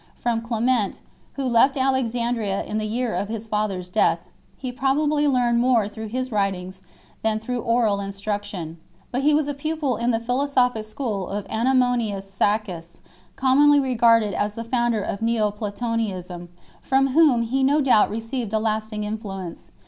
From Clement, who left AlexandriaTTn the year of his father s death, he probably learned more through his writings than through oral instruction ; but he was a pupil in the philo sophic school of Ammonius Saccas, commonly regarded as the founder of Keoplatonism, from whom he no doubt received a lasting influence.